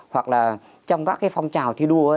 hoặc là trong các cái phong trào thi đua